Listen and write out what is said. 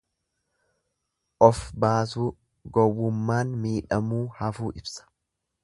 Of baasuu, gowwummaan miidhamuu hafuu ibsa.